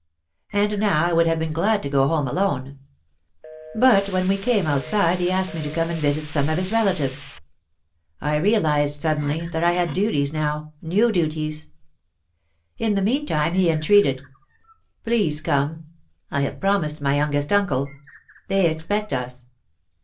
And now I would have been glad to go home alone. But when we came outside he asked me to come and visit some of his relatives. I realised suddenly that I had duties now, new duties. In the meantime he entreated, "Please come! I have promised my youngest uncle. They expect us."